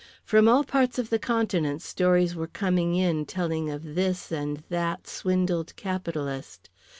From all parts of the Continent stories were coming in telling of this and that swindled capitalist.